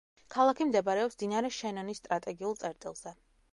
ქალაქი მდებარეობს მდინარე შენონის სტრატეგიულ წერტილზე.